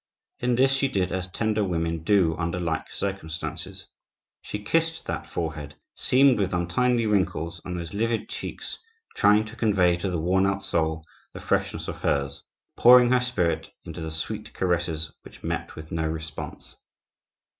In this she did as tender women do under like circumstances. She kissed that forehead, seamed with untimely wrinkles, and those livid cheeks, trying to convey to the worn out soul the freshness of hers,—pouring her spirit into the sweet caresses which met with no response.